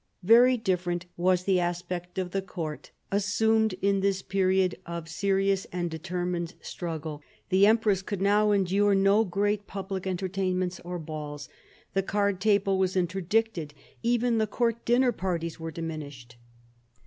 Very different was the aspect the court assumed in this period of serious and determined struggle. The empress could now endure no great public entertain ments or balls ; the card table was interdicted, even the court dinner parties were diminished.